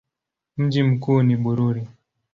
Mji mkuu ni Bururi.